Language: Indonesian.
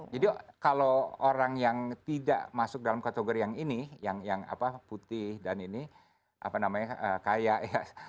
jadi kalau orang yang tidak masuk dalam kategori yang ini yang apa putih dan ini apa namanya kaya ya